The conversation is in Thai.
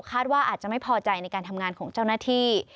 คาดว่าอาจจะไม่พอใจในการทำงานของเจ้าหน้าที่